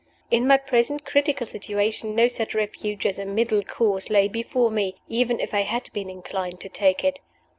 In my present critical situation, no such refuge as a middle course lay before me even if I had been inclined to take it.